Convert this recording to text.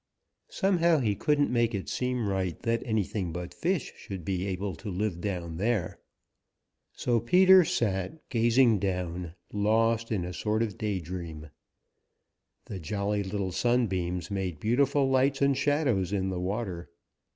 Somehow he couldn't make it seem right that anything but fish should be able to live down there. So Peter sat gazing down, lost in a sort of day dream. The Jolly Little Sunbeams made beautiful lights and shadows in the water.